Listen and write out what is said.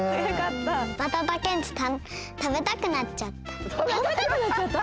バタタ・ケンチたべたくなっちゃった。